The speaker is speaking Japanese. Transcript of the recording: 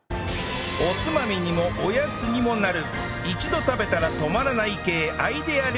おつまみにもおやつにもなる一度食べたら止まらない系アイデア料理